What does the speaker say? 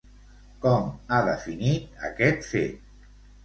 Com ha definit aquest fet?